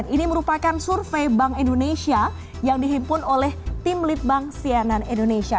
ini merupakan survei bank indonesia yang dihimpun oleh tim litbang sianan indonesia